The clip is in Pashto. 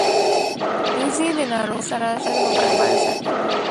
وزې د ناروغۍ سره ژر مبارزه کوي